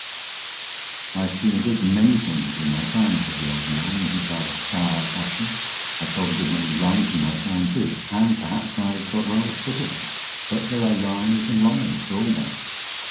"I've seen a good many things in my time," said the old man, in his rather sour fashion. "I've told a good many lies in my time, too, and perhaps I've got rather sick of them. But there are lies and lies, for all that.